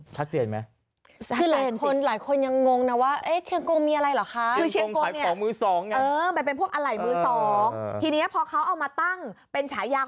ชัดเจนมั้ย